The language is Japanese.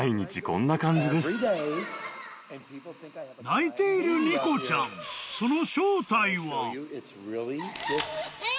［泣いているニコちゃんその］